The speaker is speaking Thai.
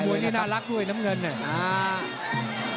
วยนี่น่ารักด้วยน้ำเงินเนี่ย